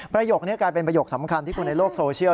ประโยคนี้กลายเป็นประโยคสำคัญที่คนในโลกโซเชียล